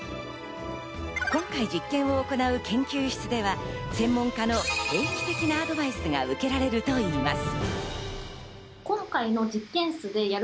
今回実験を行う研究室では専門家の定期的なアドバイスが受けられるといいます。